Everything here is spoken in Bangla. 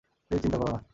প্লিজ, চিন্তা করো না।